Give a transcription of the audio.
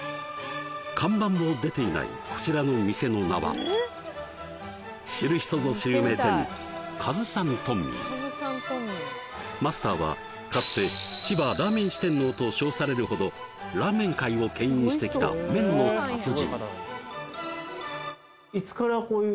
看板も出ていないこちらの店の名は知る人ぞ知る名店マスターはかつて千葉ラーメン四天王と称されるほどラーメン界を牽引してきた麺の達人